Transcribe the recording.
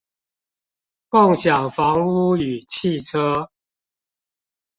共享房屋與汽車